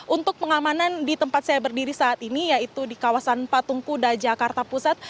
untuk pengamanan di tempat saya berdiri saat ini yaitu di kawasan patung kuda jakarta pusat